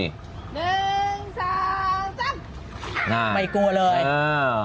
ได้เห็นมั้ยครับไม่กลัวเลยเหลือ